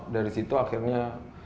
dari situ akhirnya